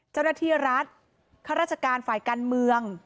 เจ้าหน้าที่รัฐข้าราชการฝ่ายการเมือง